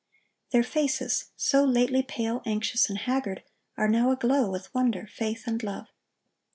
Their faces, so lately pale, anxious, and haggard, are now aglow with wonder, faith, and love.